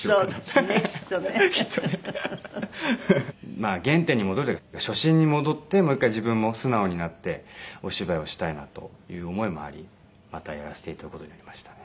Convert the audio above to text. まあ原点に戻る初心に戻ってもう一回自分も素直になってお芝居をしたいなという思いもありまたやらせて頂く事になりましたね。